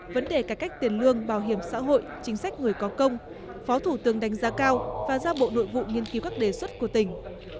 vấn đề cải cách tiền lương bảo hiểm xã hội chính sách người có công phó thủ tướng đánh giá cao và giao bộ nội vụ nghiên cứu các đề xuất của tỉnh